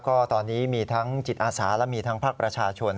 ก็ตอนนี้มีทั้งจิตอาสาและมีทั้งภาคประชาชน